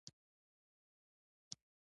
د ګنډ افغاني جامې ګرانې دي؟